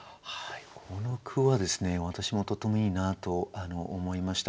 この句は私もとってもいいなと思いました。